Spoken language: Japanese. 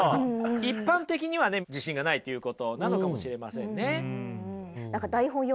一般的にはね自信がないということなのかもしれませんね。